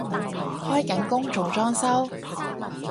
開緊工做裝修？